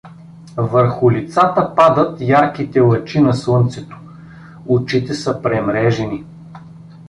Върху лицата падат ярките лъчи на слънцето, очите са премрежени.